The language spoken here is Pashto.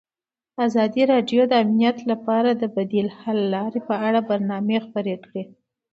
ازادي راډیو د امنیت لپاره د بدیل حل لارې په اړه برنامه خپاره کړې.